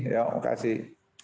ya terima kasih